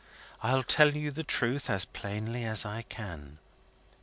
I'll tell you the truth, as plainly as I can.